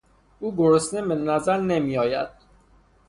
او گرسنه بنظر نمیاید